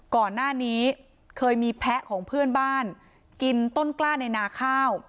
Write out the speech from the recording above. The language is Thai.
ก่อนหน้านี้เคยมีแพ้ของเพื่อนบ้านกินต้นกล้าในนาข้าว